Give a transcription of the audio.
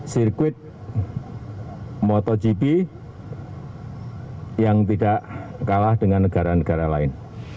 sirkuit motogp yang tidak kalah dengan negara negara lain